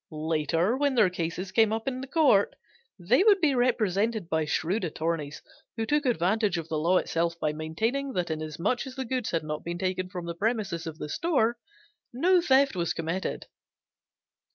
Later when their cases came up in court they would be represented by shrewd attorneys who took advantage of the law itself by maintaining that inasmuch as the goods had not been taken from the premises of the store, no theft was committed.